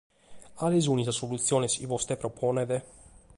Cale sunt sas solutziones chi vostè proponet?